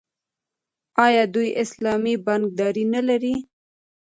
آیا دوی اسلامي بانکداري نلري؟